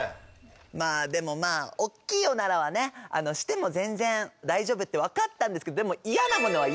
まあでもまあおっきいオナラはねしても全然大丈夫って分かったんですけどでも出た。